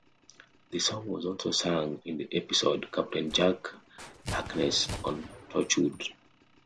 The song was also sung in the episode "Captain Jack Harkness" on "Torchwood".